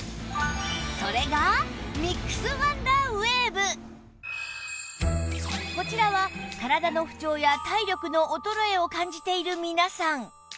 それがこちらは体の不調や体力の衰えを感じている皆さん